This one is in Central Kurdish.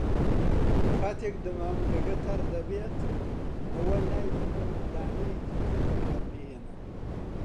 کاتێک دەمامکەکە تەڕ دەبێت، ئەوە لایببە و دانەیەکی تر بەکاربهێنە.